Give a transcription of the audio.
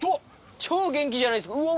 超元気じゃないですかうわ